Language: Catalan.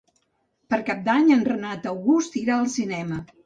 Per Cap d'Any en Renat August irà al cinema.